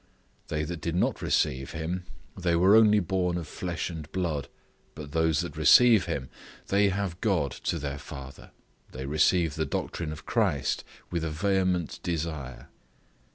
They that did not receive him, they were only born of flesh and blood; but those that receive him, they have God to their father, they receive the doctrine of Christ with a vehement desire.